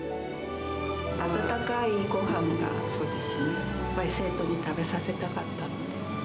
温かいごはんが、やっぱり生徒に食べさせたかったので。